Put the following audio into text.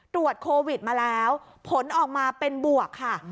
ตรวจโควิดมาแล้วผลออกมาเป็นบวกค่ะ